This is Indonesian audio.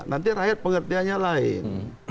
nanti rakyat pengertiannya lain